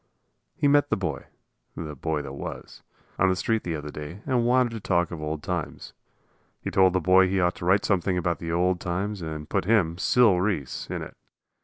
He met the boy the boy that was on the street the other day and wanted to talk of old times. He told the boy he ought to write something about the old times and put him, Sil Reese, in it.